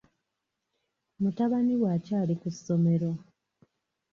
Mutabani we akyali ku ssomero.